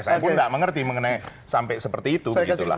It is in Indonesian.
saya pun tidak mengerti mengenai sampai seperti itulah